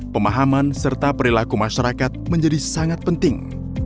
pemahaman serta perilaku masyarakat menjadi sangat penting